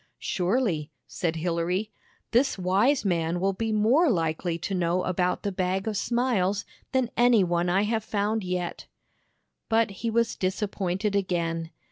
" Surely," said Hilary, " this wise man will be more likely to know about the Bag of Smiles than any one I have found yet." But he was disappointed again.